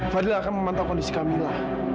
fadil akan memantau kondisi kamila